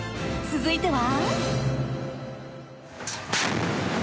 続いては。